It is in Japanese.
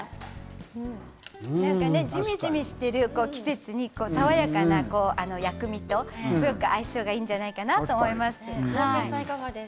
じめじめしている季節に爽やかな薬味とすごく相性がいいんじゃないかなと思います。